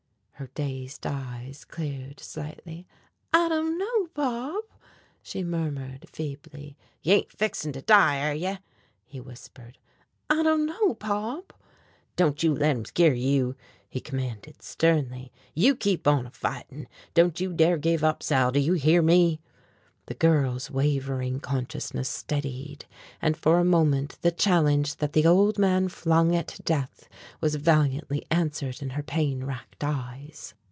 Her dazed eyes cleared slightly. "I dunno, Pop," she murmured feebly. "Ye ain't fixin' to die, air ye?" he persisted. "I dunno, Pop." "Don't you let 'em skeer you," he commanded sternly. "You keep on a fightin'. Don't you dare give up. Sal, do you hear me?" The girl's wavering consciousness steadied, and for a moment the challenge that the old man flung at death was valiantly answered in her pain racked eyes.